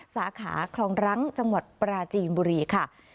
สาขาคลองรังจังหวัดปราจีนบุรีค่ะ